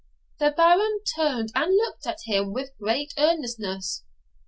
The Baron turned and looked at him with great earnestness.